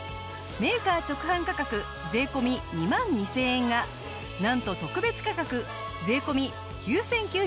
メーカー直販価格税込２万２０００円がなんと特別価格税込９９８０円。